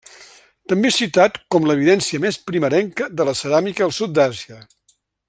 També és citat com l'evidència més primerenca de la ceràmica al sud d'Àsia.